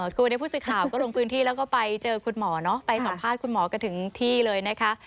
คือวันนี้ผู้สื่อข่าวก็ลงพื้นที่แล้วก็ไปเจอคุณหมอเนอะไปสัมภาษณ์คุณหมอกันถึงที่เลยนะคะ